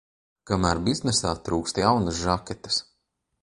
Kamēr biznesā trūkst jaunas žaketes.